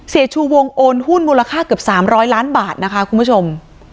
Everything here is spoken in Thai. ชูวงโอนหุ้นมูลค่าเกือบ๓๐๐ล้านบาทนะคะคุณผู้ชม